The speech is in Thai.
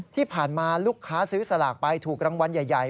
ที่ผ่านมาลูกค้าซื้อสลากไปถูกรางวัลใหญ่